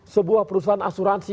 sebuah perusahaan asuransi